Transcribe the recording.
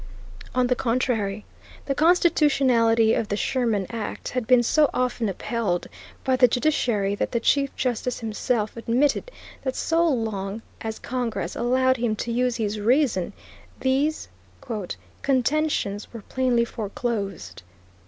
On the contrary, the constitutionality of the Sherman Act had been so often upheld by the judiciary that the Chief Justice himself admitted that so long as Congress allowed him to use his reason, these "contentions [were] plainly foreclosed."